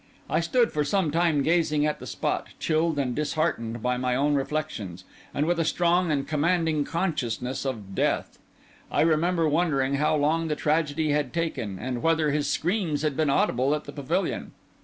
I stood for some time gazing at the spot, chilled and disheartened by my own reflections, and with a strong and commanding consciousness of death. I remember wondering how long the tragedy had taken, and whether his screams had been audible at the pavilion.